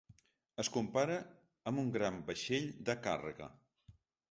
Es compara amb un gran vaixell de càrrega.